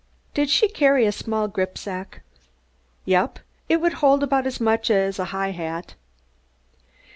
"Did she carry a small gripsack?" "Yep. It would hold about as much as a high hat."